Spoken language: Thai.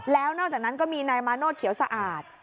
แล้วนอกจากนั้นก็มีนายมาโนธเขียวสะอาด